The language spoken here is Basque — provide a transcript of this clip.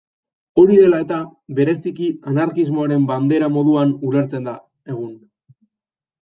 Hori dela eta, bereziki anarkismoaren bandera moduan ulertzen da egun.